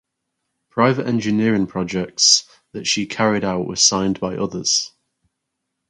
Private engineering projects that she carried out were signed by others.